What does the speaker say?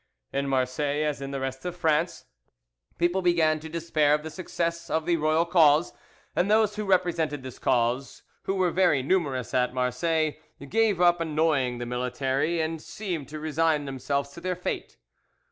"In Marseilles as in the rest of France, people began to despair of the success of the royal cause, and those who represented this cause, who were very numerous at Marseilles, gave up annoying the military and seemed to resign themselves to their fate.